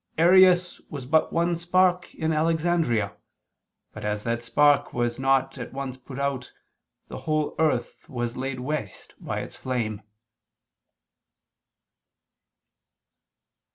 Arius was but one spark in Alexandria, but as that spark was not at once put out, the whole earth was laid waste by its flame."